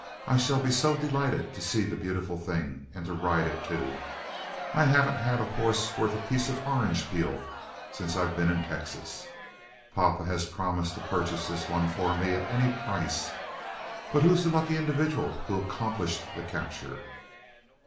I shall be so delighted to see the beautiful thing; and ride it too. I haven't had a horse worth a piece of orange peel since I've been in Texas. Papa has promised to purchase this one for me at any price. But who is the lucky individual who accomplished the capture?"